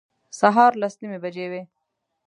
سهار لس نیمې بجې وې.